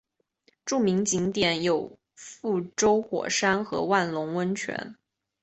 著名景点有覆舟火山和万隆温泉。